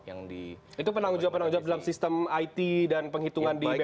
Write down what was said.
yang di itu penanggung jawab penanggung jawab dalam sistem it dan penghitungan di bpn ya